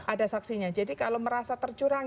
ada saksinya jadi kalau merasa tercurang